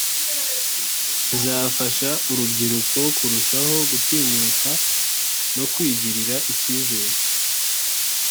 Bizafasha urubyiruko kurushaho gutinyuka no kwigirira icyizere